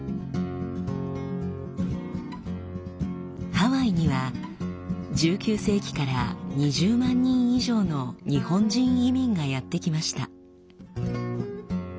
ハワイには１９世紀から２０万人以上の日本人移民がやって来ました。